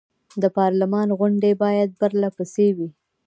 د پارلمان غونډې باید پر له پسې وي.